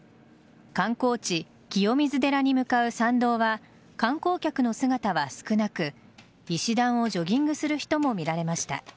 観光地・清水寺に向かう参道は観光客の姿は少なく石段をジョギングする人も見られました。